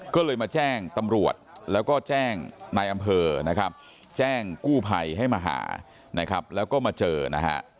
ก็เลยมาแจ้งตำรวจแล้วก็แจ้งนายอำเภอนะครับแจ้งกู้ภัยให้มาหานะครับแล้วก็มาเจอนะฮะ